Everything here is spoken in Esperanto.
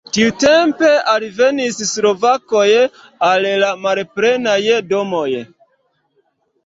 Tiutempe alvenis slovakoj al la malplenaj domoj.